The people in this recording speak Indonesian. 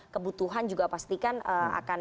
kebutuhan juga pastikan akan